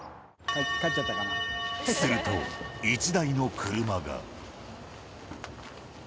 すると、１台の車が。